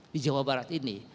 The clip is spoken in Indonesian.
di jawa barat ini